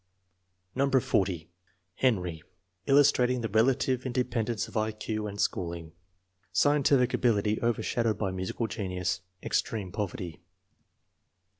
No. 40. Henry. Illustrating the relative inde pendence of I Q and schooling. Scientific ability overshadowed by musical genius. Extreme poverty.